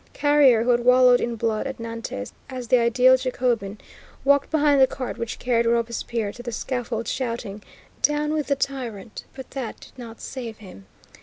Carrier, who had wallowed in blood at Nantes, as the ideal Jacobin, walked behind the cart which carried Robespierre to the scaffold, shouting, "Down with the tyrant;" but that did not save him.